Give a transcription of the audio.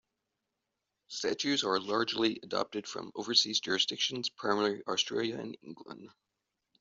Statutes are largely adapted from overseas jurisdictions, primarily Australia and England.